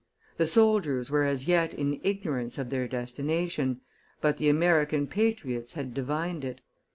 The soldiers were as yet in ignorance of their destination, but the American patriots had divined it.